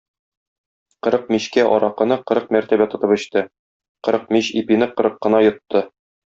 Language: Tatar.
Кырык мичкә аракыны кырык мәртәбә тотып эчте, кырык мич ипине кырык кына йотты.